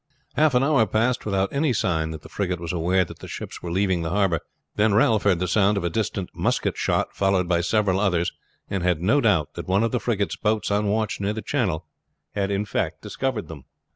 Half an hour passed without any sign that the frigate was aware that the ships were leaving the harbor; then Ralph heard the sound of a distant musket shot, followed by several others, and had no doubt that one of the frigate's boats on watch near the channel had discovered them.